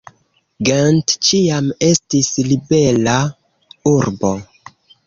Gent ĉiam estis ribela urbo.